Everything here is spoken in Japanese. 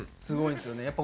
すごいんですよね。